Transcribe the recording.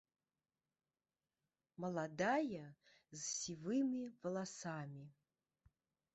Маладая з сівымі валасамі.